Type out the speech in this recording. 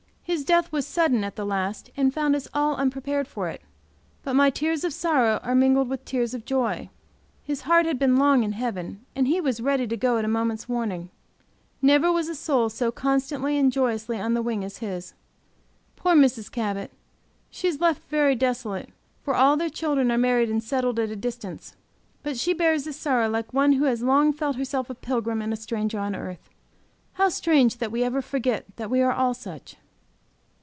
His death was sudden at the last and found us all unprepared for it. But my tears of sorrow are mingled with tears of joy. His heart had long been in heaven, he was ready to go at a moment's warning; never was a soul so constantly and joyously on the wing as his. Poor Mrs. Cabot! She is left very desolate, for all their children are married and settled at a distance. But she bears this sorrow like one who has long felt herself a pilgrim and a stranger on earth. How strange that we ever forget that we are all such!